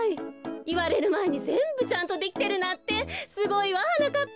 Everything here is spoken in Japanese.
いわれるまえにぜんぶちゃんとできてるなんてすごいわはなかっぱ。